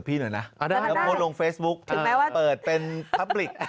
พี่ไม่ได้พูดนะ